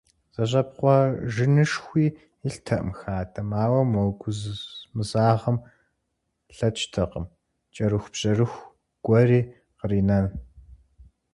ЗэщӀэпкъуэжынышхуи илътэкъым хадэм, ауэ мо гумызагъэм лъэкӀтэкъым кӀэрыхубжьэрыху гуэри къринэн.